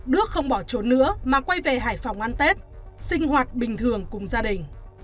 đức không bỏ trốn nữa mà quay về hải phòng ăn tết sinh hoạt bình thường cùng gia đình